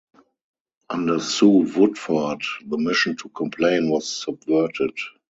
Under Sue Woodford the mission to complain was subverted.